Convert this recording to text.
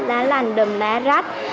lá lành đùm lá rách